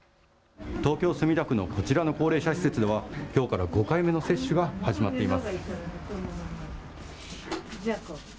東京墨田区のこちらの高齢者施設では、きょうから５回目の接種が始まっています。